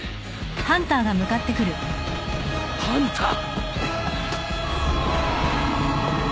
ハンター！